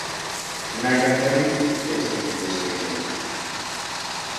Nahiak, berriz, etxetik ihes egingo du.